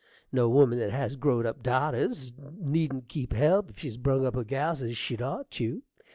No woman that has growed up darters needn't keep help if she's brung up her gals as she'd ought tew.